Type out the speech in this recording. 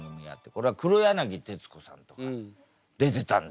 これは黒柳徹子さんとか出てたんですよ。